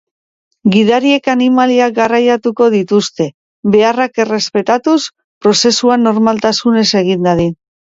Gidariek animaliak garraiatuko dituzte, beharrak errespetatuz, prozesua normaltasunez egin dadin.